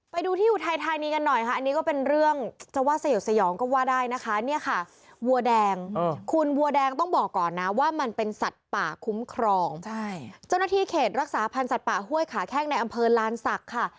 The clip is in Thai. ไปดูที่อยู่ท้ายนี้กันหน่อยค่ะ